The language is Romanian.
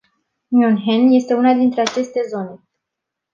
München este una dintre aceste zone.